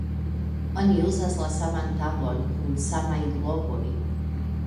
Oni uzas la saman tablon kun samaj globoj.